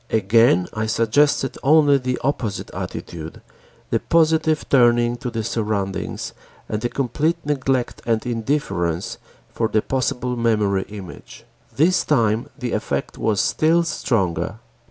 Again I suggested only the opposite attitude, the positive turning to the surroundings and the complete neglect and indifference for the possible memory image. This time the effect was still stronger.